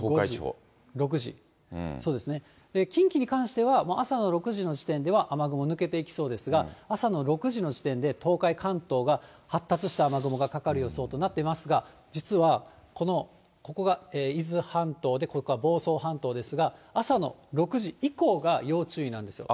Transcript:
近畿に関しては、もう朝の６時の時点では雨雲抜けていきそうですが、朝の６時の時点で東海、関東が発達した雨雲がかかる予想となっていますが、実は、ここが伊豆半島でここが房総半島ですが、朝の６時以降が要注意なんですよ。